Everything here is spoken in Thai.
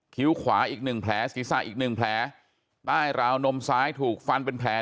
คิ้วขวาอีก๑แผลศิษย์อีก๑แผลใต้ราวนมซ้ายถูกฟันเป็นแผล